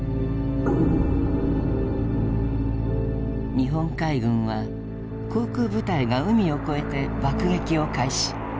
日本海軍は航空部隊が海を越えて爆撃を開始。